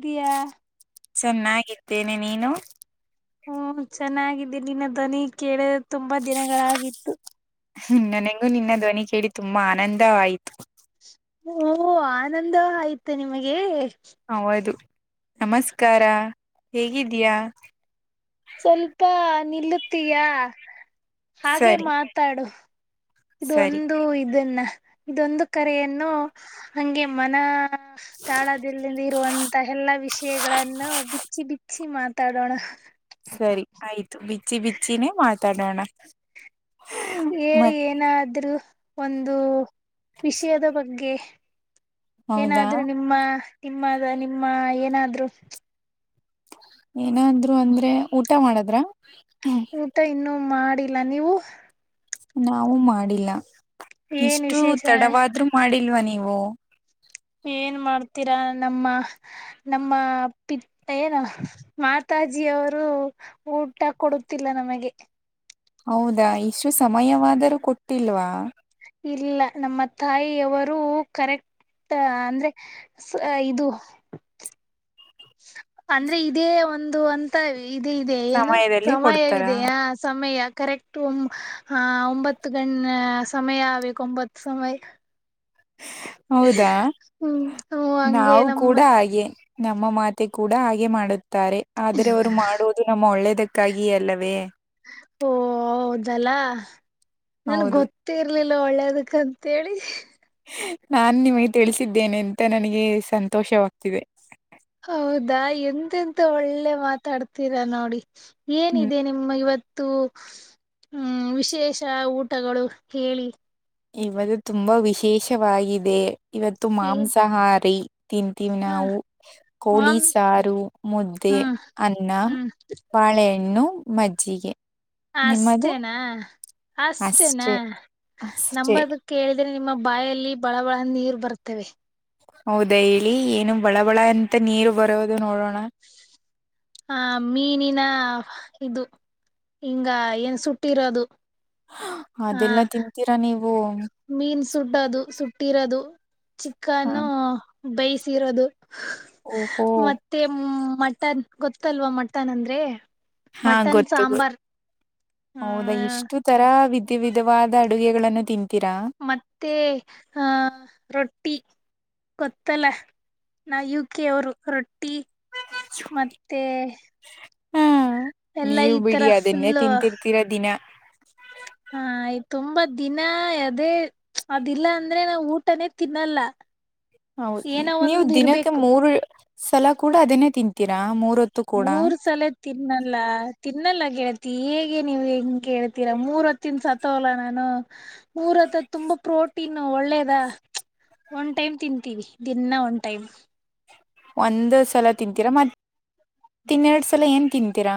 ಇದಯಾ ಚೆನ್ನಾಗಿದ್ದೇನೆ ನೀನು. ಹ್ಮ ಚೆನ್ನಾಗಿದ್ದೀನಿ ನಿನ್ನ ದ್ವನಿ ಕೇಳ. ತುಂಬಾ ದಿನಗಳಾಗಿತ್ತು ನನಗೂ ನಿನ್ನ ಧ್ವನಿ ಕೇಳಿ ತುಂಬಾ ಆನಂದ ವಾಯಿತು. ಹ್ಮ ಆನಂದ ಆಯ್ತು ನಿಮಗೆ. ಹೌದು ನಮಸ್ಕಾರ ಹೇಗಿದೀಯಾ. ಸ್ವಲ್ಪ ನಿಲ್ಲುತೀಯ ಹಾಗೆ ಸರಿ ಮಾತಾಡು. ಸರಿ ಇದೊಂದು ಇದನ್ನ ಇದೊಂದು ಕರೆಯನ್ನು. ಹಂಗೆ ಮನ ತಾಳದಲ್ಲಿ ಇರುವಂತ. ಎಲ್ಲಾ ವಿಷಯಗಳನ್ನು ಬಿಚ್ಚಿ ಬಿಚ್ಚಿ ಮಾತಾಡೋಣ. ಸರಿ ಆಯ್ತು ಬಿಚ್ಚಿ ಬಿಚ್ಚಿನೇ ಮಾತಾಡೋಣ. ಹೇಳಿ ಮತ್ ಏನಾದ್ರರು ಒಂದು ವಿಷಯದ ಬಗ್ಗೆ. ಹೌದಾ ಏನಾದ್ರು ನಿಮ್ಮ ನಿಮ್ಮ ನಿಮ್ಮ ಏನಾದ್ರು. ಏನಾದ್ರು ಅಂದ್ರೆ ಊಟ ಮಾಡದ್ರ. ಮತ್ತ ಇನ್ನುೂ ಮಾಡಿಲ್ಲ ನೀವು. ನಾವು ಮಾಡಿಲ್ಲ ಏನ್ ಇಷ್ಟು ವಿಶೇಷ ತಡವಾದ್ರು ಮಾಡಿಲ್ವ ನೀವು. ಏನ್ ಮಾಡ್ತೀರಾ ನಮ್ಮ. ನಮ್ಮ ಪಿತ್ ಏನು ಮಾತಾಜಿಯವರು. ಊಟ ಕೊಡುತ್ತಿಲ್ಲ ನಮಗೆ. ಹೌದಾ ಇಷ್ಟು ಸಮಯವಾದರೂ ಕೊಟ್ಟಿಲ್ವಾ. ಇಲ್ಲ ನಮ್ಮ ತಾಯಿಯವರು ಕರೆಕ್ಟ್. ಆ ಅಂದ್ರೆ ಇದು. ಅಂದ್ರೆ ಇದೇ ಒಂದು ಅಂತ. ಇದೆ ಇದೆ ಏನು ಸಮಯದಲ್ಲಿ ಕೊಡ್ತಾರಾ ಸಮಯವಿದೆಯಾ ಸಮಯ ಕರೆಕ್ಟು ಹ್ಮ್ಮ್. ಹಾ ಒಂಬತ್ತು ಗಣ ಸಮಯ ಆಬೇಕ ಒಂಬತ್ತು ಸಮಯ. ಹೌದಾ ಹ್ಮ್ ಹಂಗೆ ನಾವು ನಮ್ಮ ಕೂಡ ಹಾಗೆ. ನಮ್ಮ ಮಾತೆ ಕೂಡ ಹಾಗೆ ಮಾಡು. ತಾರೆ ಆದ್ರೆ ಅವ್ರು ಮಾಡುವುದು ನಮ್ಮ ಒಳ್ಳೇದಕ್ಕಾಗಿಯೆ ಅಲ್ಲವೇ. ಓ ಹೌದಲ್ಲಾ ನನ್ ಹೌದು ಗೊತ್ತ. ಇರ್ಲಿಲ್ಲ ಒಳ್ಳೇದಕ್ಕ ಅಂತೇಳಿ. ನಾನ್ ನಿಮಗೆ ತಿಳಿಸಿದ್ದೇನೆ ಅಂತ ನನಗೆ ಸಂತೋಷವಾಗ್ತಿದೆ. ಹೌದಾ ಎಂತೆಂತ ಒಳ್ಳೆ ಮಾತಾಡ್ತೀರಾ ನೋಡಿ ಹ್ಮ್ ಏನಿದೆ ನಿಮ್ಮ ಇವತ್. ಮತ್ತು ಹ್ಮ್ ವಿಶೇಷ ಊಟಗಳು ಹೇಳಿ. ಇವದು ತುಂಬಾ ವಿಶೇಷವಾಗಿದೆ ಇವತ್ತು ಮಾಂಸಾಹಾರಿ. ತಿಂತೀವ್ ಹ ನಾವು ಕೋಳಿ ಮಾಂಸ ಸಾರು ಮುದ್ದೆ ಹ್ಮ್ ಅನ್ನ. ಹ್ಮ್ ಬಾಳೆಹಣ್ಣು ಮಜ್ಜಿಗೆ. ನಿಮ್ಮದು ಅಷ್ಟೇನಾ ಅಷ್ಟೇನಾ ಅಷ್ಟೆ ಅಷ್ಟೇ ನಂಬದ. ಕೇಳಿದ್ರೆ ನಿಮ್ಮ ಬಾಯಲ್ಲಿ ಬಳ ಬಳ ನೀರ್ ಬರ್ತವೆ. ಹೌದಾ ಹೇಳಿ ಏನು ಬಳ ಬಳ ಅಂತ ನೀರು ಬರೋದು ನೋಡೋಣ. ಹ ಮೀನಿನ ಇದು. ಹಿಂಗ ಏನ್ ಸುಟ್ಟಿರೋದು. ಆ ಅದೆಲ್ಲ ತಿಂತೀರಾ ನೀವು. ಹ್ಮ. ಮೀನ್ ಸುಡದು ಸುಟ್ಟಿರೋದು ಹ ಚಿಕ್ಕನ್ನು. ಬೈಸಿರೊದು ಓಹೋ ಮತ್ತ. ಹ್ಮ್ ಮಟನ್ ಗೊತ್ತಲ್ವಾ ಮಟನ್ ಅಂದ್ರೆ ಹಾ ಮಟನ್ ಗೊತ್ತು ಗೊತ್ತು ಸಾಂಬಾರ್. ಆ ಹೌದಾ ಇಷ್ಟು ತರ ವಿತೀ ವಿದವಾದ ಅಡುಗೆಗಳನ್ನು ತಿಂತೀರಾ. ಮತ್ತೆ ಅಂ ರೊಟ್ಟಿ. ಗೊತ್ತಲ್ಲ ನಾವ್ ಯು ಕೆ ಅವರು ರೊಟ್ಟಿ. ಮತ್ತೇ. ಹಾ ಎಲ್ಲಾ ನೀವು ಈ ತರ ಬಿಡಿ ಅದನ್ನೇ ಫುಲ್ಲು. ತಿಂತಿರ್ತೀರ ದಿನ ಹಾ ಆಯ್ ತುಂಬಾ ದಿನ ಅದೇ ಅದಿಲ್ಲ ಅಂದ್ರೆ ನಾ ಊಟನೇ ತಿನ್ನಲ್ಲ. ಹೌದು ಏನೋ ನೀವು ಒಂದ್ ದಿನಕ್ಕೆ ಇರ್ಬೇಕು ಮೂರು ಸಲ ಕೂಡ ಅದನೇ ತಿಂತೀರಾ ಮೂರ ಹೊತ್ತು ಕೂಡ. ಮೂರ್ ಸಲ ತಿನ್ನಲ್ಲ ತಿನ್ನಲ್ಲ ಗೆಳತಿ ಹೇಗೆ ನೀವು ಹೆಂಗ ಕೇಳ್ತೀರ ಮೂರ್ ಹೊತ್ತುತಿಂದು ಸತ್ತೋಗ್ಲಾ ನಾನು. ರ ಹತ್ರದ ತುಂಬಾ ಪ್ರೋಟೀನ್ ಒಳ್ಳೇದ ಒಂದ ಟೈಮ್ ತಿಂತೀವಿ. ದಿನ್ನ ಒನ್ ಟೈಮ್. ಒಂದು ಸಲ ತಿಂತೀರಾ ಮತ್ತೆ ಇನ್ನೆರಡು ಸಲ ಏನ್ ತಿಂತೀರಾ.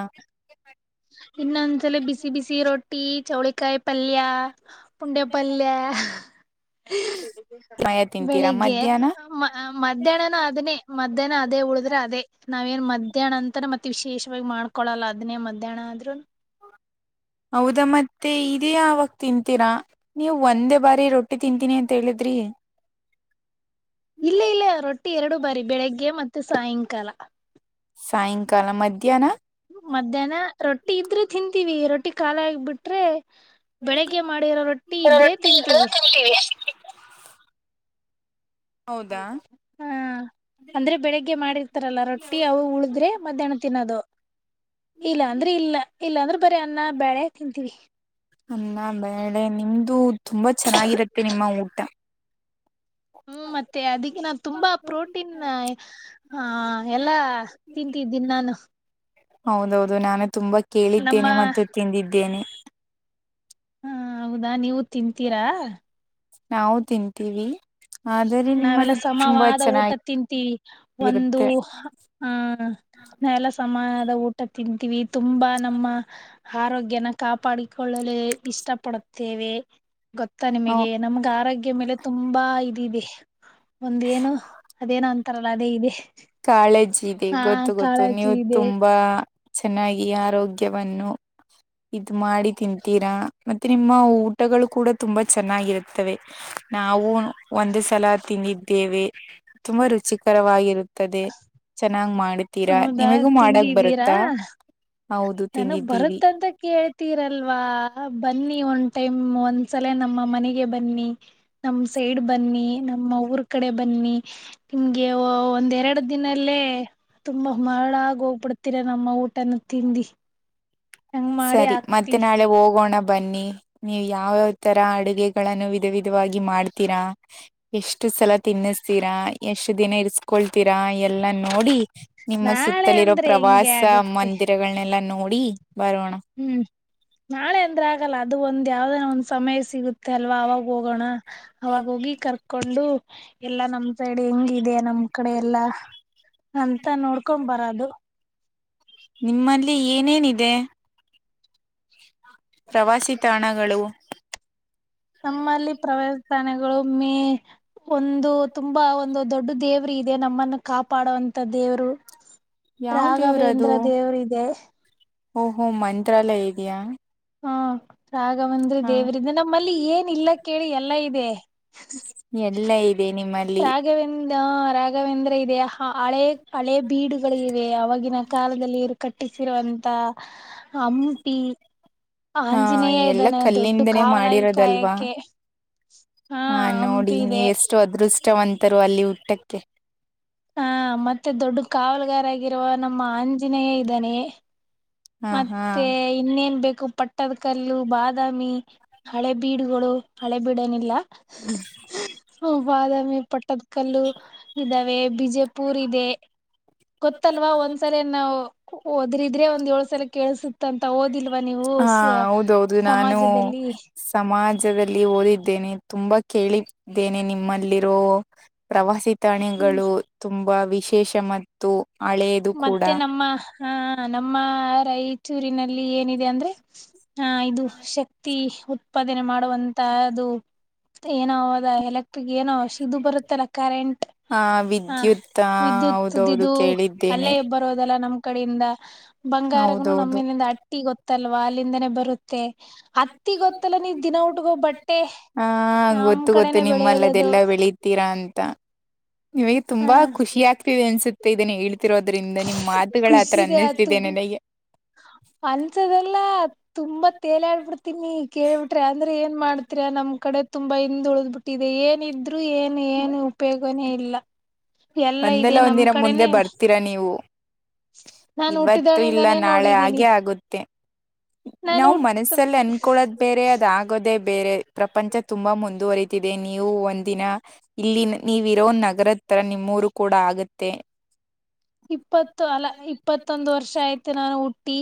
ಇನ್ನೊಂದಸಲ ಬಿಸಿ ಬಿಸಿ ರೊಟ್ಟಿ ಚೌಳಿಕಾಯಿ ಪಲ್ಯ. ಪುಂಡ್ಯ ಪಲ್ಯ್. ಮಯ ತಿಂತೀರಾ ಬೆಳಿಗ್ಗೆ ಮಧ್ಯಾಹ್ನ ಮಧ್ಯಾಹ್ನನ ಅದನೇ ಮಧ್ಯಾಹ್ನ ಅದೇ ಉಳಿದ್ರೆ ಅದೇ. ನಾವೇಏನ್ ಮಧ್ಯಾಹ್ನ ಅಂತಾನ ಮತ್ತೆ ವಿಶೇಷವಾಗಿ ಮಾಡ್ಕೊಳಲ್ಲ ಅದ್ನೇ ಮಧ್ಯಾಹ್ನ ಆದ್ರು. ಹೌದಾ ಮತ್ತೆ ಇದೇ ಅವವಾಗ ತಿಂತೀರಾ ನೀವು ಒಂದೇ ಬಾರಿ ರೊಟ್ಟಿ. ತಿಂತಿನಿ ಅಂತ ಹೇಳಿದ್ರಿ. ಇಲ್ಲ ಇಲ್ಲ ರೊಟ್ಟಿ ಎರಡು ಬಾರಿ ಬೆಳಿಗ್ಗೆ ಮತ್ತೆ ಸಾಯಂಕಾಲ. ಸಾಯಂಕಾಲ ಮಧ್ಯಾನ. ಮಧ್ಯಾಹ್ನ ರೊಟ್ಟಿ ಇದ್ರೆ ತಿಂತೀವಿ ರೊಟ್ಟಿ ಖಾಲಿ ಆಗಿ ಬಿಟ್ರೆ. ಬೆಳಿಗ್ಗೆ ಮಾಡಿರೋ ರೊಟ್ಟಿ ಇದ್ರೆ ತಿಂತೀವಿ. ಹೌದಾ ಹಾ ಅಂದ್ರೆ ಬೆಳಿಗ್ಗೆ ಮಾಡಿರ್ತಾರಲ್ಲ ರೊಟ್ಟಿ ಅವು ಉಳಿದ್ರೆ ಮಧ್ಯಾಹ್ನ. ತಿನ್ನೋದು ಇಲ್ಲ ಅಂದ್ರೆ ಇಲ್ಲ ಇಲ್ಲಾ ಅಂದ್ರೆ ಬರೇ ಅನ್ನ ಬಳೆ ತಿಂತೀವಿ. ಅನ್ನ ಬೆಳೆ ನಿಮ್ದು ತುಂಬಾ ಚೆನ್ನಾಗಿರತ್ತೆ ನಿಮ್ಮ ಊಟ. ಹ್ಮ್ ಮತ್ತೆ ಅದಕ್ಕೆ ನಾವ್ ತುಂಬಾ ಪ್ರೋಟೀನ್. ಹಾ ಎಲ್ಲಾ ತಿಂತಿದ್ದೀನಿ ನಾನು. ಹೌದೌದು ನಾನು ತುಂಬಾ ನಮ್ಮ ಕೇಳಿದ್ದೇನೆ ಮತ್ತೆ ತಿಂದಿದ್ದೇನೆ. ಹಾ ಹೌದಾ ನೀವು ತಿಂತೀರಾ. ನಾವು ತಿಂತೀವಿ. ಆದರೆ ನಾವೆಲ್ಲ ನಿಮ್ಮದು ತುಂಬಾ ಸಮವಾದ ಊಟ ತಿಂತೀವಿ ಒಂದು. ಚೆನ್ನಾಗಿರುತ್ತೆ ಹಾ ನಾವ ಎಲ್ಲ ಸಮಾನದ ಊಟ ತಿಂತೀವಿ ತುಂಬಾ ನಮ್ಮ ಆರೋಗ್ಯನ ಕಾಪಾಡಿಕೊಳ್ಳಲು ಇಷ್ಟ ಪಡುತ್ತೇವೆ ಗೊತ್ತಾ ನಾವು ನಿಮಗೆ. ನಮ್ಗೆ ಆರೋಗ್ಯದ ಮೇಲೆ ತುಂಬಾ ಇದಿದೆ ಒಂದೇಏನು ಅದೇನೋ ಅಂತಾರಲ್ಲ ಅದೇ ಇದೆ. ಕಾಳಜಿ ಇದೆ ಹಾ ಗೊತ್ತು ಗೊತ್ತು ನೀವು ಕಾಳಜಿ ಇದೆ ತುಂಬಾ ಚೆನ್ನಾಗಿ ಆರೋಗ್ಯವನ್ನು. ಇದ್ ಮಾಡಿ ತಿಂತೀರಾ ಮತ್ತೆ ನಿಮ್ಮ ಊಟಗಳು ಕೂಡ ತುಂಬಾ ಚೆನ್ನಾಗಿರುತ್ತವೆ. ನಾವು. ಒಂದು ಸಲ ತಿಂದಿದ್ದೇವೆ ತುಂಬಾ ರುಚಿಕರವಾಗಿರುತ್ತದೆ. ನ್ನಂಗ್ ಮಾಡ್ತೀರಾ ಹೌದಾ ನಿಮಗೂ ಮಾಡಕ್ ತಿಂದಿದ್ದೀರಾ ಬರುತ್ತಾ ಹೌದು ನನಗ್ ತಿಂದಿದ್ದೀವಿ ಬರುತ್ತಂತ ಕೇಳ್ತೀರಲ್ವಾ ಬನ್ನಿ ಒಂದ್ ಟೈಮ್ ಒಂದ್ಸಲೇ ನಮ್ಮ ಮನೆಗೆ ಬನ್ನಿ ನಮ್ಮ ಸೈಡ್ ಬನ್ನಿ ನಮ್ಮ ಊರ್ ಕಡೆ ಬನ್ನಿ ನಿಮ್ಗೆ ವ ಒಂದ್ ಎರಡು ದಿನಲ್ಲೇ ತುಂಬಾ ಮರಳಾಗಿ ಹೋಗ್ಬಿಡ್ ಹತ್ತಿರ ನಮ್ಮ ಊಟನ್ನು ತಿಂದಿ ಹಂಗ್ ಮಾಡಿ ಸರಿ ಮತ್ತೆ ಹಾಕ್ತಿವಿ ನಾಳೆ ಹೋಗೋಣ ಬನ್ನಿ ನೀವು ಯಾವಾವ ತರ ಅಡುಗೆಗಳನ್ನು ವಿಧ ವಿಧವಾಗಿ ಮಾಡ್ತೀರಾ ಎಷ್ಟು ಸಲ ತಿನ್ನಸ್ತೀರಾ ಎಷ್ಟು ದಿನ ಇರ್ಸ್ಕೊಳ್ತೀರಾ ಎಲ್ಲಾ ನೋಡಿ ನಿಮ್ಮ ನಾಳೆ ಸುತ್ತಲಿರೋ ಅಂದ್ರೆ ಹೆಂಗೆ ಪ್ರವಾಸ ಆಗತ್ತೆ ಮಂದಿರಗಳನೆೆಲ್ಲ ನೋಡಿ ಬರೋಣ ಹ್ಮ್ ನಾಳೆ ಅಂದ್ರೆ ಆಗಲ್ಲ ಅದು ಒಂದ್ ಯಾವ್ದನ ಒಂದ್ ಸಮಯ ಸಿಗುತ್ತೆ ಅಲ್ವಾ ಅವಾಗ ಹೋಗೋಣ ಅವಾಗ ಹೋಗಿ ಕರ್ಕೊಂಡು ಎಲ್ಲಾ ನಮ್ ಸೈಡ್ ಹೆಂಗ ಇದೆ ನಮ್ ಕಡೆ ಎಲ್ಲಾ ಅಂತ ನೋಡ್ಕೊಂಡ್ ಬರದು ನಿಮ್ಮಲ್ಲಿ ಏನೇನಿದೆ ಪ್ರವಾಸಿ ತಾಣಗಳು ನಮ್ಮಲ್ಲಿ ಪ್ರವಾಸ ತಾಣೆಗಳು ಮೇ ಒಂದು ತುಂಬಾ ಒಂದು ದೊಡ್ಡ ದೇವ ದೇವರು ಇದೆ ನಮ್ಮನ್ನು ಕಾಪಾಡುವಂತ ದೇವರು ಯಾವ್ದೇವ್ರದು ರಾಘವೇಂದ್ರ ದೇವರು ಇದೆ ಓಹೋ ಮಂತ್ರಾಲಯ ಇದೆಯಾ ಹಾ ರಾಘವಂದ್ರಿ ಹಾ ದೇವರಿದೆ ನಮ್ಮಲ್ಲಿ ಏನ್ ಇಲ್ಲ ಕೇಳಿ ಎಲ್ಲಾ ಇದೆ ಎಲ್ಲ ಇದೆ ನಿಮ್ಮಲ್ಲಿ ರಾಘವೇಂದ ರಾಘವೇಂದ್ರ ಇದೆಯಾ ಹಳೆ ಹಳೆ ಬೀಡುಗಳೆ ಆವಾಗಿನ ಕಾಲದಲ್ಲಿ ಇವ್ರು ಕಟ್ಟಿಸಿರುವಂತ ಹಂಪಿ ಹಾ ಆಂಜನೇಯ ಎಲ್ಲ ಇದ್ದಾನೆ ದೊಡ್ಡ ಕಲ್ಲಿಂದನೇ ಕಾವಲಾಗಿ ಮಾಡಿರೋದಲ್ವಾ ಕಾಯಕ್ಕೆ ಹಾ ಹಂಪಿ ಇದೆ ಇಷ್ಟವಂತರು ಅಲ್ಲಿ ಹುಟ್ಟಕ್ಕೆ ಹಾ ಮತ್ತೆ ದೊಡ್ಡ ಕಾವಲುಗಾರ ಆಗಿರುವ ನಮ್ಮ ಆಂಜನೇಯ ಇದ್ದಾನೆ ಹಾ ಹಾ ಮತ್ತೆ ಇನ್ನೇನ್ ಬೇಕು ಪ ಪಟ್ಟದ ಕಲ್ಲು ಬಾದಾಮಿ ಹಳೆ ಬೀಡುಗಳು ಹಳೆ ಬೀಡಏನಿಲ್ಲ ಬಾದಾಮಿ ಪಟ್ಟದ ಕಲ್ಲು ಇದ್ದಾವೆ ಬಿಜೆ ಪೂರ ಇದೆ ಗೊತ್ತಲ್ವಾ ಒಂದ್ಸಲ ನಾವು ಹೊದ್ರಿದ್ರೆ ಒಂದ್ ಏಳು ಸಲ ಕೇಳಸುತ್ತ ಅಂತ ಓದಿಲ್ವಾ ನೀವು ಹಾ ಹೌದೌದು ನಾನು ಸಮಾಜದಲ್ಲಿ ಸಮಾಜದಲ್ಲಿ ಓದಿದ್ದೇನೆ ತುಂಬಾ ಕೇಳಿದ್ದೇನೆ ನಿಮ್ಮಲ್ಲಿರೋ ಪ್ರವಾಸಿ ಹ್ಮ ತಾಣಿಗಳು ತುಂಬಾ ವಿಶೇಷ ಮತ್ತು ಹಳೆಯದು ಕೂಡ ಹಾ ನಮ್ಮ ರಾಯಚೂರಿನಲ್ಲಿ ಏನಿದೆ ಅಂದ್ರೆ ಹಾ ಇದು ಶಕ್ತಿ ಉತ್ಪಾದನೆ ಮಾಡುವಂತಹದು ಏನೋ ಅದ್ ಎಲೆಕ್ಟ್ರಿಕ್ ಏನಶ ಇದು ಬರುತ್ತಲ್ಲ ಕರೆಂಟ್ ಹ ಹ ವಿದ್ಯುತ್ ಹ ಹೌದೌದು ಕೇಳಿದ್ದ ಅಲ್ಲೇಬ್ಬರೋದಲ್ಲಾ ನಮ್ ಕಡೆಯಿಂದ ಬಂಗಾರಗನು ಹೌದೌದು ನಮ್ಮಲ್ಲಿಂದ ಹಟ್ಟಿ ಗೊತ್ತ ತಲ್ವಾ ಅಲ್ಲಿಂದಾನೆ ಬರುತ್ತೆ ಮತ್ತೆ ಅತ್ತಿ ಗೊತ್ತಲ್ಲ ನೀ ದಿನ ಹುಟುಗೋ ಬಟ್ಟೆ ಆ ನಮ್ ಕಡೆ ನೆ ಬೆಳೆಯದ ಅದು ತಿರಾ ಅಂತ ನಿಮಗೆ ತುಂಬಾ ಖುಷಿ ಹ ಆಗ್ತೀವಿ ಅನ್ಸುತ್ತೆ ಇದನ್ನೇ ಹೇಳಿ ತಿರೋದ್ರಿಂದ ನಿಮ್ಮ ಮಾತುಗಳ ಆತರ ಖುಷಿನೇ ಅನ್ನಿಸ್ತಿದೆೇ ನನಗೆ ಅಂಸದಲ್ಲ ತುಂಬಾ ತೇಲಾಡ್ಬ ಬಿಡ್ತೀನಿ ಕೇಳ್ಬಿಟ್ರ ಅಂದ್ರೆ ಏನ್ ಮಾಡ್ತರಿ ನಮ್ ಕಡೆ ತುಂಬ ಇಂದ ಉಳ್ದ್ ಬಿ ಇದ ಏನಿದ್ರು ಏನು ಏನು ಉಪಯೋಗನೇ ಇಲ್ಲ. ಎಲ್ಲಾ ಇದೆ ಒಂದಲ್ಲ ನಮ್ ಒಂದಿನ ಮುಂದೆ ಕಡೆನೇ ಬರ್ತೀರಾ ನೀವು. ನಾನ್ ಇವತ್ತು ಇಲ್ಲ ಹುಟ್ಟಿದಳಿಂದಾನೇ ನಾಳೆ ನೋಡಿದೀನಿ ಆಗೆ ಆಗುತ್ತೆ. ನಾನು ನಾವೂ ಹುಟ್ಟ ಮನಸ್ಸಲ್ಲಿ ಅನ್ಕೊಳದ್ ಬೇರೆ ಅದ್ ಆಗ ಆಗೋದೆ ಬೇರೆ ಪ್ರಪಂಚ ತುಂಬಾ ಮುಂದುವರಿತಿದೆ ನೀವು ಒಂದಿನ ಗೊ ಇಲ್ಲಿ ನೀವ ಇರೋ ನಗರ ತರ ನಿಮ್ಮೂರು ಕೂಡ ಆಗತ್ತೆ. ಇಪ್ಪತ್ತು ಅಲ ಇಪ್ಪತ್ತೊಂದು ವರ್ಷ ಆಯ್ತು ನಾನು ಹುಟ್ಟಿ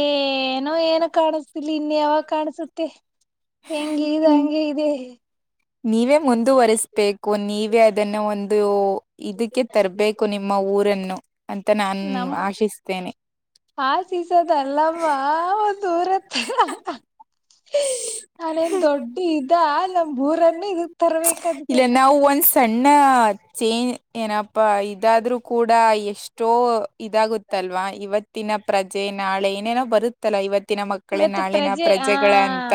ಏನೋ ಏನೂ ಕಾಣಸ್ತಿಲ್ ಇನ್ ಯಾವಾಗ ಕಾಣಸುತ್ತೆ? ಹೆಂಗ ಇದೇ ಹ್ಮ್ ಹಂಗೆ ಇದೆ. ನೀವೇ ಮುಂದುವರ್ಸ್ಬೇಕು ನೀವೇ ಅದನ್ನ ಒಂದು ಇದಕ್ಕೆ ತರ್ಬೇಕು ನಿಮ ನಮ್ಮ ಊರನ್ನು ಅಂತೆ ನಾನ್ ಆಶಿಸ್ತೇನೆ. ಆಶಿಸೋದ ಅಲ್ಲಮ್ಮ ಒಂದು ಊರತ್ರ ಹಾ ಹಾ ಇದ ನಮ್ ಊರನ್ನು ಇದಕ್ ತರ್ಬೇಕಂತೆ. ಇಲ್ಲ ನಾವು ಒನ್ಸ್ ಸಣ್ಣ ಚೇಂಜ್ ಏನಪ್ಪಾ ಇದಾದ್ರೂ ಕೂಡ ಎ ಎಷ್ಟೋ ಇದಾಗುತ್ತಲ್ವಾ ಇವತ್ತಿನ ಪ್ರಜೆ ನಾಳೆ ಏನೇನೋ ಬರುತ್ತಲ್ಲ ಇವತ್ತಿನ ಮಕ್ಕ ಮಕ್ಕಳೇ ಇವತ್ತು ನಾಳಿನ ಪ್ರಜೆ ಆ ಪ್ರಜೆಗಳ ಅಂತ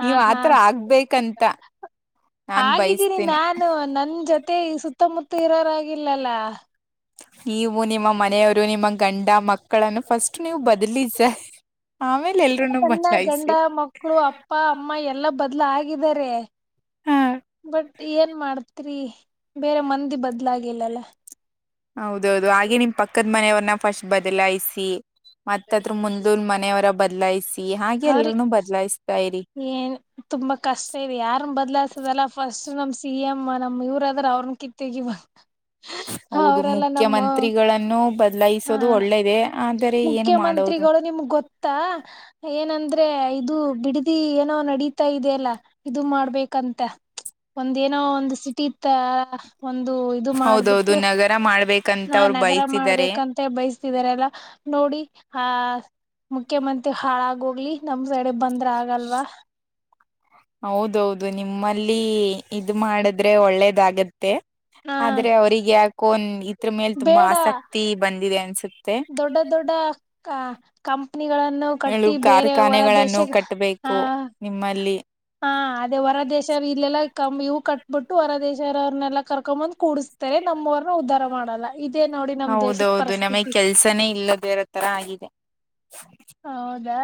ಹ ನೀವ್ ಹಾ ಆತರ ಆಗ್ಬೇಕಂತ. ನಾನ್ ಆಗಿದ್ದೀನಿ ಬಯಸ್ತೀನಿ ನಾನು ನನ್ ಜೊತೆ ಈ ಸುತ್ತಮುತ್ತ ಇರೋರಾಗಿಲ್ಲಲ್ಲ. ನೀವು ನಿಮ್ಮ ಮನೆಯವರು ನಿಮ್ಮ ಗಂಡ ಮಕ್ಕಳನ್ನು ಫಸ್ಟ್ ನೀವು ಬದ್ಲಿಸ ಆಮೇಲ ಎಲ್ರುನು ನನ್ನ ಗಂಡ ಬದಲಾಯಿಸಿ. ಮಕ್ಕಳು ಅಪ್ಪ ಅಮ್ಮ ಎಲ್ಲಾ ಬದ್ಲ ಆಗಿದ್ದಾರೆ. ಹ ಬಟ್ ಏನ್ ಮಾಡ್ತ್ರಿ ಬೇರೆ ಮಂದಿ ಬದ್ಲಾಗಿಲ್ಲಲ್ಲ. ಹೌದೌದು ಹಾಗೆ ನಿಮ್ ಪಕ್ಕದ ಮನೆಯವ್ರನ್ನ ಫಸ್ಟ್ ಬದಲಾಯಿಸಿ. ಮತ್ತ ಅದ್ರ ಮುಂದಲ್ ಮನೆಯವರ ಬದ್ಲಾಯ್ಸಿ ಹಾಗೆ ಅವ್ರಿ ಎಲ್ರನು ಬದ್ಲಾಯಿಸತಾ ಇರಿ. ಏನ್ ತುಂಬಾ ಕಷ್ಟ ಇದೆ ಯಾರನ್ನ ಬದ್ಲಾಸದಲ್ಲ ಫಸ್ಟ್ ನಮ್ ಸಿ ಎಮ್ ನಮ್ ಇವರ ಅದರ್ ಅವರ್ನ್ ಕಿತ್ತ ಒಗಿಬೇಕ ಹೌದು ಮುಖ್ಯಮಂತ್ರಿಗಳಗಳನ್ನು ಬದ ಹ ಲಾಯಿಸುವುದು ಒಳ್ಳೇದೇ ಆದರೆ ಏನ ಮಾಡೋದು? ಮುಖ್ಯಮಂತ್ರಿಗಳು ನಿಮ್ಗ್ ಗೊತ್ತಾ ಏನಂದ್ರೆ ಇದು ಬಿಡದಿ ಏನೋ ನಡೀತಾ ಇದೆಯಲ್ಲ ಇದು ಮಾಡ್ಬೇಕಂತ ಒಂದ ಏನೋ ಒಂದು ಸಿಟಿ ತರ ಒಂದು ಇದು ಹೌದಹೌದು ಮಾಡ್ಬಿಟ್ಟು ನಗರ ಮಾಡ್ಬೇಕಂತ ಅವ್ರು ಬಯಸಿದ್ದಾರೆ. ಮತ್ತೆ ಬಯಸ್ತಿದಿದ್ದಾರಲ್ಲ ನೋಡಿ ಆ ಮುಖ್ಯಮಂತ್ರಿ ಹಾಳಾಗೋಗ್ಲಿ. ನಮ್ ಸೈಡೇ ಬಂದ್ರ ಆಗಲ್ವಾ? ಹೌದಹೌದು ನಿಮ್ಮಲ್ಲಿ ಇದ ಮಾಡಿದ್ರೆ ಒಳ್ಳೇದಾಗತ್ತೆ. ಹ ಆದ್ರೆ ಅವ್ರಿಗೆ ಯಾಕೋ ಇದ್ರ ಮೇಲ್ ತುಂಬಾ ಬೇಡ ಆಸಕ್ತಿ ಬಂದಿದೆ ಅನ್ಸುತ್ತೆ. ದೊಡ್ಡ ದೊಡ್ಡ ಕಾ ಕಂಪನಿಗಳನ್ನು ಹೇಳು ಕಟ್ಟಿ ಬೇರೆ ಹೊರ ದೇಶ ಕಾರ್ಖಾನೆಗಳನ್ನು ಹಾ ಕಟ್ಬೇಕು ನಿಮ್ಮಲ್ಲಿ ಹಾ ಅದೇ ಹೊರ ದೇಶವ ಇಲ್ಲೆಲ್ಲಾ ಕಂ ಇವು ಕಟ್ಬಿಟ್ಟು ಹೊರ ದೇಶವ್ರನೆಲ್ಲ ಕರ್ಕೊಂಬಂದ್ ಕೂಡಸ್ತ ನೋಡಿ ನಮ್ ದೇಶದ ಹೌದೌದು ನಮಗ್ ಪರಿಸ್ಥಿತಿ ಕೆಲ್ಸನೇ ಇಲ್ಲದೇ ಇರ ತರ ಆಗಿದೆ. ಹೌದಾ.